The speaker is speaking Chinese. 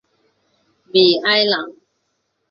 米埃朗。